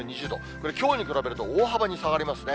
これ、きょうに比べると大幅に下がりますね。